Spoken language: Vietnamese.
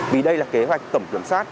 vì đây là kế hoạch tổng kiểm soát